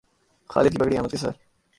خالد کی پگڑی حامد کے سر